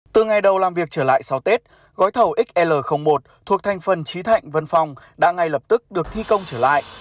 từ ngày đầu làm việc trở lại sau tết gói thầu xl một thuộc thành phần trí thạnh vân phong đã ngay lập tức được thi công trở lại